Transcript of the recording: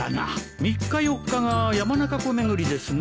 ３日４日が山中湖巡りですね。